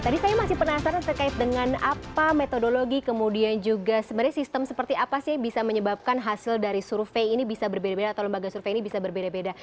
tadi saya masih penasaran terkait dengan apa metodologi kemudian juga sebenarnya sistem seperti apa sih yang bisa menyebabkan hasil dari survei ini bisa berbeda beda atau lembaga survei ini bisa berbeda beda